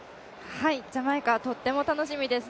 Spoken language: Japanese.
ジャマイカ、とっても楽しみです。